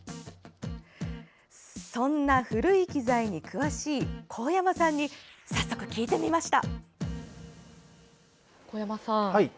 そんな古い機材に詳しい神山さんに早速、聞いてみました。